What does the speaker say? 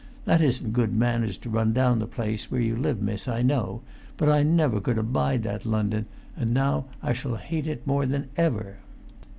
That isn't good manners to run down the place where you live, miss, I know; but I never could abide that London, and now I shall hate it more than ever."